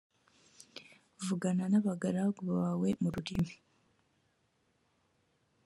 vugana n abagaragu bawe mu rurimi